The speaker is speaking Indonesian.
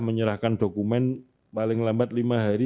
menyerahkan dokumen paling lambat lima hari